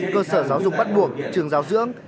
cơ sở giáo dục bắt buộc trường giáo dưỡng